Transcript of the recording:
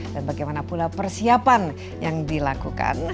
dan bagaimana pula persiapan yang dilakukan